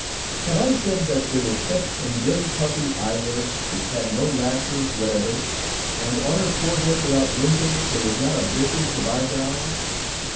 Have I said that they were set in very puffy eyelids, which had no lashes whatever, and on her forehead without wrinkles there was not a vestige of eyebrow?